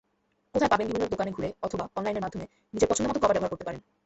কোথায় পাবেনবিভিন্ন দোকানে ঘুরে অথবা অনলাইনের মাধ্যমে নিজের পছন্দমতো কভার ব্যবহার করতে পারেন।